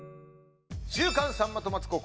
「週刊さんまとマツコ」